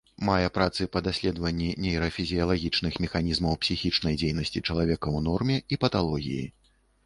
Мае працы па даследаванні нейрафізіялагічных механізмаў псіхічнай дзейнасці чалавека ў норме і паталогіі.